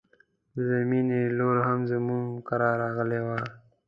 د زرمينې لور هم زموږ کره راغلی و